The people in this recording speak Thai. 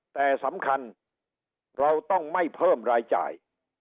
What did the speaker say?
แต่สำคัญเราต้องไม่เพิ่มรายจ่าย